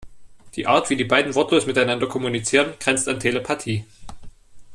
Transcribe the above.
Die Art, wie die beiden wortlos miteinander kommunizieren, grenzt an Telepathie.